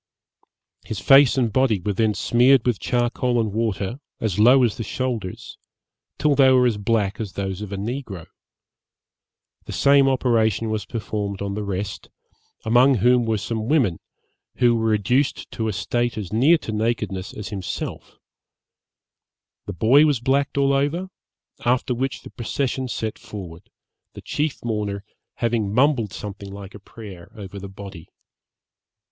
His face and body were then smeared with charcoal and water, as low as the shoulders, till they were as black as those of a negro: the same operation was performed on the rest, among whom were some women, who were reduced to a state as near to nakedness as himself; the boy was blacked all over, after which the procession set forward, the chief mourner having mumbled something like a prayer over the body.